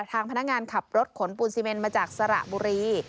ทางพนักงานขับรถขนปูนซีเมนมาจากสระบุรี